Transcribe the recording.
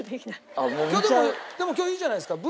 でも今日いいじゃないですか。